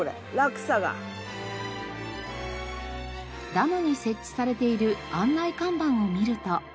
ダムに設置されている案内看板を見ると。